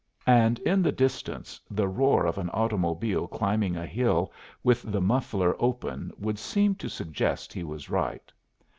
And in the distance the roar of an automobile climbing a hill with the muffler open would seem to suggest he was right.